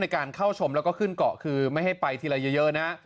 การเข้าชมแล้วก็ขึ้นเกาะคือไม่ให้ไปทีละเยอะนะ